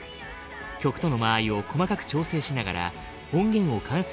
曲との間合いを細かく調整しながら音源を完成させていく。